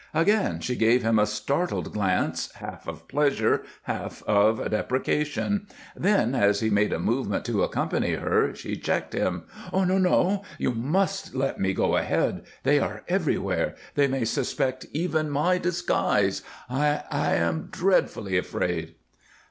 Again she gave him a startled glance, half of pleasure, half of deprecation; then, as he made a movement to accompany her, she checked him. "No, no! You must let me go ahead. They are everywhere. They may suspect even my disguise. I I am dreadfully afraid."